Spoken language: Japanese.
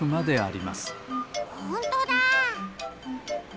ほんとだ！